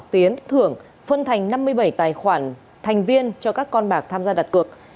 tiến thưởng phân thành năm mươi bảy tài khoản thành viên cho các con bạc tham gia đặt cược